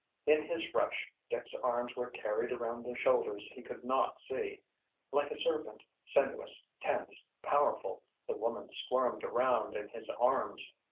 In his rush, Dick's arms were carried around the shoulders he could not see. Like a serpent, sinuous, tense, powerful, the woman squirmed around in his arms.